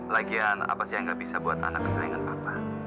lagian apa sih yang gak bisa buat anak kesayangan papa